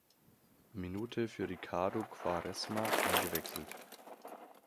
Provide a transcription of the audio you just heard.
Minute für Ricardo Quaresma eingewechselt.